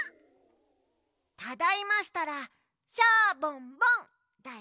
ただいましたら「シャボンボン」だよ。